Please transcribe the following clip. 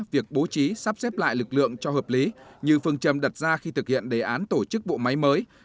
việc bố trí sắp xếp lại lực lượng cho hợp lý như phương trầm đặt ra khi thực hiện đề án tổ chức bộ máy mới